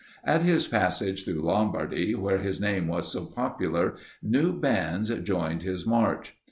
At his passage through Lombardy, where his name was so popular, new bands joined his march.